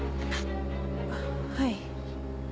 はい。